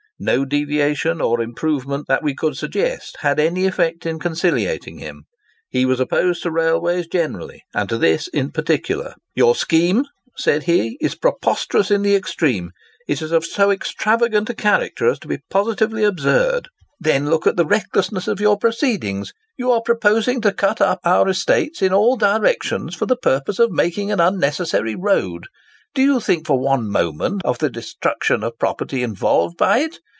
No deviation or improvement that we could suggest had any effect in conciliating him. He was opposed to railways generally, and to this in particular. 'Your scheme,' said he, 'is preposterous in the extreme. It is of so extravagant a character, as to be positively absurd. Then look at the recklessness of your proceedings! You are proposing to cut up our estates in all directions for the purpose of making an unnecessary road. Do you think for one moment of the destruction of property involved by it?